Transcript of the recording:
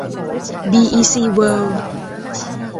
บีอีซี เวิลด์